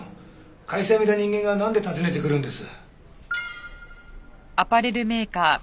会社辞めた人間がなんで訪ねてくるんです？